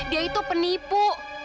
dia itu penipu